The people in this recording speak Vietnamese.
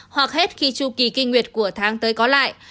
hoặc hết khi chu kỳ kinh nguyệt của tháng tới có lại